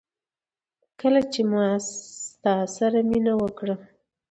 کله چي ما ستا سره مينه وکړه